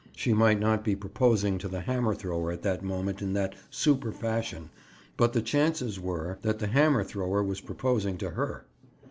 She might not be proposing to the hammer thrower at that moment in that "super" fashion, but the chances were that the hammer thrower was proposing to her.